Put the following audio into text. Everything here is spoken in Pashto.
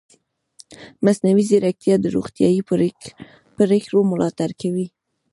مصنوعي ځیرکتیا د روغتیايي پریکړو ملاتړ کوي.